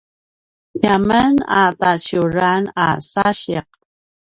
tiamen a taciuran a sasiq